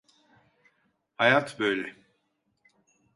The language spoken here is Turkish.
Hayat böyle.